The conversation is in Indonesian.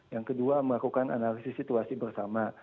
yang kedua melakukan analisis situasi bersama